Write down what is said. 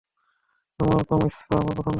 তোমার কর্মস্পৃহা আমার পছন্দ হয়েছে।